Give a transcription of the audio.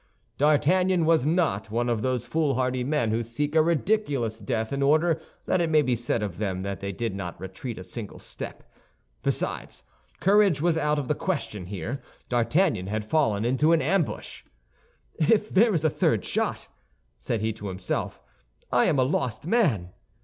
D'Artagnan was not one of those foolhardy men who seek a ridiculous death in order that it may be said of them that they did not retreat a single step. Besides, courage was out of the question here; D'Artagnan had fallen into an ambush. "If there is a third shot," said he to himself, "I am a lost man."